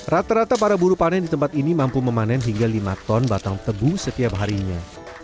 rata rata para buru panen di tempat ini mampu memanen hingga lima ton batang tebu setiap harinya